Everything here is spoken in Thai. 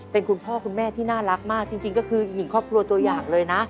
เป็นคุณพ่อคุณแม่ที่น่ารักมากจริงก็คืออีกหนึ่งครอบครัวตัวอย่างเลยนะ